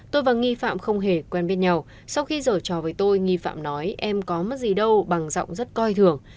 tôi và nghi phạm không hề quen biết nhau sau khi rời trò với tôi nghi phạm nói em có mất gì đâu bằng giọng rất coi thường